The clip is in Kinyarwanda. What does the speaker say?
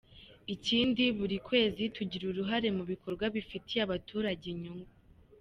Ikindi buri kwezi tugira uruhare mu bikorwa bifitiye abaturage inyungu.